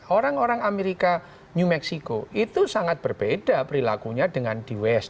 orang orang amerika new mexico itu sangat berbeda perilakunya dengan di west